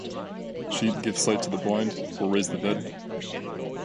She didn't give sight to the blind or raise the dead.